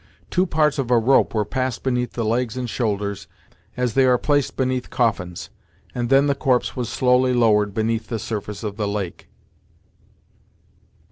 Two parts of a rope were passed beneath the legs and shoulders, as they are placed beneath coffins, and then the corpse was slowly lowered beneath the surface of the lake.